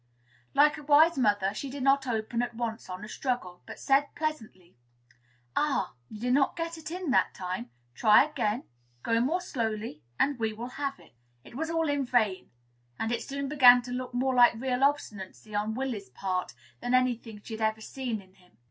Like a wise mother, she did not open at once on a struggle; but said, pleasantly, "Ah! you did not get it in that time. Try again; go more slowly, and we will have it." It was all in vain; and it soon began to look more like real obstinacy on Willy's part than any thing she had ever seen in him.